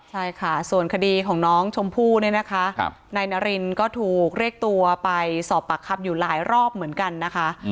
ใช่ค่ะส่วนคดีของน้องชมพู่เนี่ยนะคะนายนารินก็ถูกเรียกตัวไปสอบปากคำอยู่หลายรอบเหมือนกันนะคะ